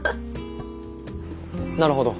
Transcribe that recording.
なるほど。